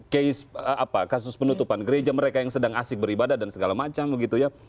case apa kasus penutupan gereja mereka yang sedang asik beribadah dan segala macam begitu ya